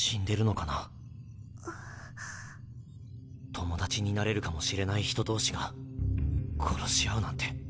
友達になれるかもしれない人同士が殺し合うなんて。